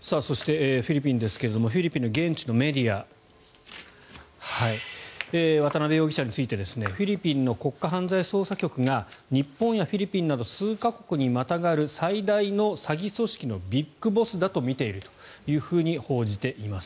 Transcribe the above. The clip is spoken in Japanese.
フィリピンの現地のメディアは渡邉容疑者についてフィリピンの国家犯罪捜査局が日本やフィリピンなど数か国にまたがる最大の詐欺組織のビッグボスだとみていると報じています。